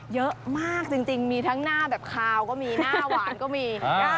เยอะมากจริงมีทั้งหน้าแบบคาวก็มีหน้าหวานก็มี